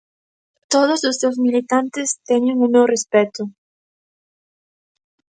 Todos os seus militantes teñen o meu respecto.